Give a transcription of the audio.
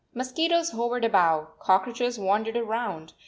Mosquitoes hovered above, cockroaches wandered around.